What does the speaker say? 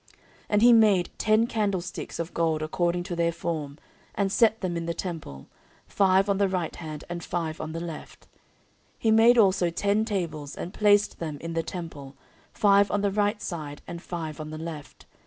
14:004:007 And he made ten candlesticks of gold according to their form, and set them in the temple, five on the right hand, and five on the left. 14:004:008 He made also ten tables, and placed them in the temple, five on the right side, and five on the left.